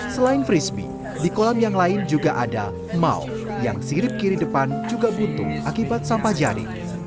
selain frisbee di kolam yang lain juga ada mau yang sirip kiri depan juga buntung akibat sampah jari